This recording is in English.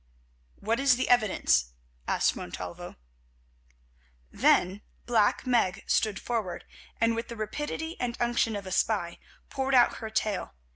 "What is the evidence?" asked Montalvo. Then Black Meg stood forward, and, with the rapidity and unction of a spy, poured out her tale.